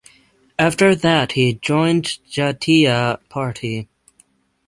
After that he joined Jatiya Party.